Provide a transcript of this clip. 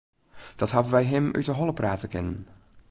Dat hawwe wy him út 'e holle prate kinnen.